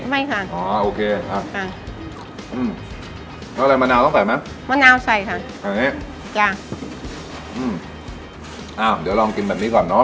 ไม่คะอ๋อโอเคเข้าใส่มะมะนาวใส่ค่ะสิ่งนี้อื้ออ้าวเดี๋ยวลองกินแบบนี้ก่อนเนอะ